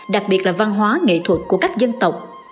đặc biệt là văn hóa nghệ thuật của các dân tộc